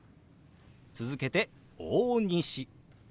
続けて「大西」。